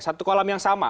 satu kolam yang sama